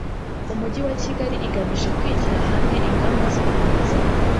Umujyi wa Kigali igamije kwigira hamwe ingamba zo gukomeza